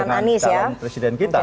dengan dalam presiden kita